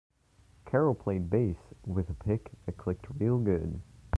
Carol played bass with a pick that clicked real good.